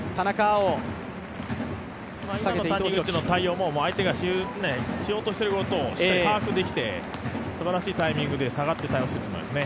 今の対応も相手がしようとしていることを把握できてすばらしいタイミングで下がっていったと思いますね。